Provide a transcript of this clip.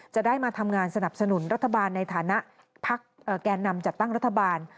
จะได้มาทำงานสนับสนุนรัฐบาลในฐานะพักแก่นำจัดตั้งรัฐบาล